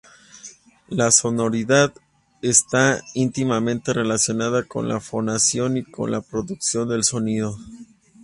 La sonoridad está íntimamente relacionada con la fonación y con la producción del sonido.